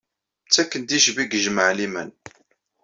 Ttaken-d icbi deg jmaɛliman.